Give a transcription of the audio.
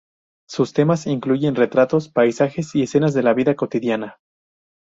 Sus temas incluyen retratos, paisajes y escenas de la vida cotidiana.